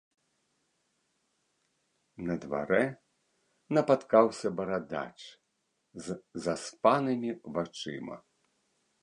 На дварэ напаткаўся барадач з заспанымі вачыма.